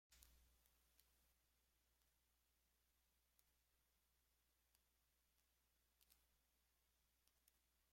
Se retiraron del servicio en unidades activas tras acabar la Segunda Guerra Mundial.